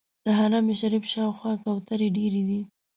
د حرم شریف شاوخوا کوترې ډېرې دي.